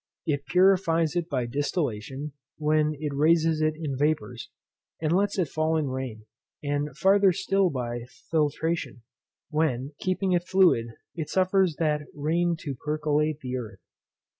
It purifies it by distillation, when it raises it in vapours, and lets it fall in rain; and farther still by filtration, when, keeping it fluid, it suffers that rain to percolate the earth.